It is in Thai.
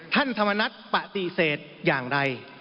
ท่านธรรมนัฏปฏิเสธอย่างไร